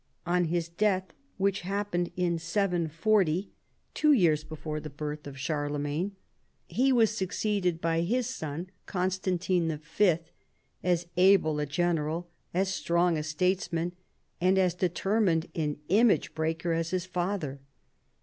On his death, which happened in 740 (two years before the birth of 222 CHARLEMAGNE. Charlemagne) he was succeeded by his son Constan tine v., as able a general, as strong a statesman, and as determined an image breaker as his father.